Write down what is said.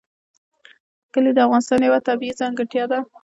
کلي د افغانستان یوه طبیعي ځانګړتیا ده.